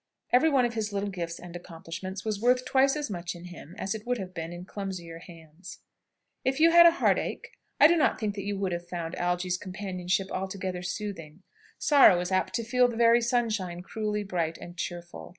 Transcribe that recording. Every one of his little gifts and accomplishments was worth twice as much in him as it would have been in clumsier hands. If you had a heartache, I do not think that you would have found Algy's companionship altogether soothing. Sorrow is apt to feel the very sunshine cruelly bright and cheerful.